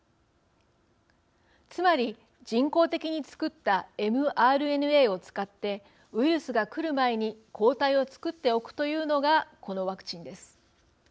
つまり人工的に作ったｍＲＮＡを使ってウイルスがくる前に抗体を作っておくというのがこのワクチンです。